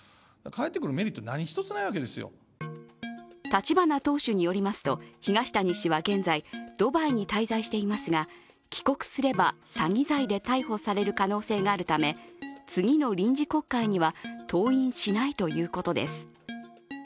立花党首によりますと、東谷氏は現在ドバイに滞在していますが帰国すれば詐欺罪で逮捕される可能性があるため次の臨時国会には登院しないということです。